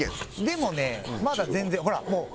でもねまだ全然ほらもう。